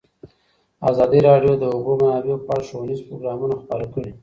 ازادي راډیو د د اوبو منابع په اړه ښوونیز پروګرامونه خپاره کړي.